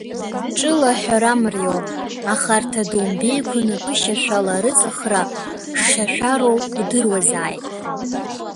Ҿыла аҳәара мариоуп, аха арҭ адоумбеиқәа напышьашәала рыҵыхра шшьашәароу удыруазааит!